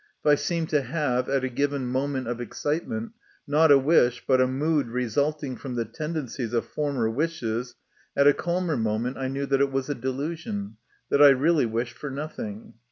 If I seemed to have, at a given moment of excitement, not a wish, but a mood resulting from the tendencies of former wishes, at a calmer moment I knew that it was a delusion, that I really wished for nothing.